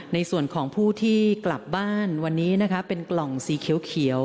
ในส่วนของผู้ที่กลับบ้านวันนี้นะคะเป็นกล่องสีเขียว